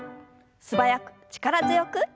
素早く力強く。